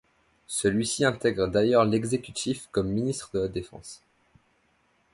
Celui-ci intègre d'ailleurs l'exécutif comme ministre de la Défense.